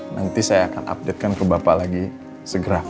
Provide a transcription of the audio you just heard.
nanti saya akan update kan ke bapak lagi segera